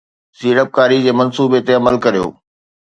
سيڙپڪاري جي منصوبي تي عمل ڪريو